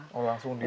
oh langsung dia